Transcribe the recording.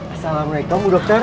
assalamualaikum bu dokter